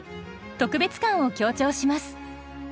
特別感を強調します。